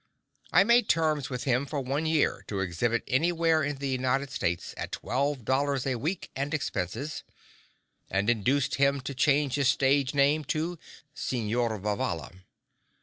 I made terms with him for one year to exhibit anywhere in the United States at twelve dollars a week and expenses, and induced him to change his stage name to "Signor Vivalla."